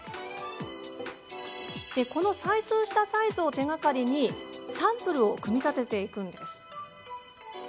その採寸したサイズを手がかりにサンプルを組み立てていくんです。